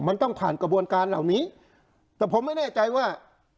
มันต้องผ่านกระบวนการเหล่านี้แต่ผมไม่แน่ใจว่า